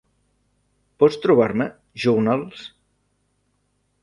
Pots trobar-me, Journals?